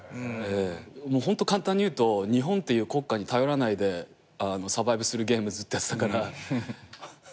ホント簡単に言うと日本っていう国家に頼らないでサバイブするゲームずっとやってたから。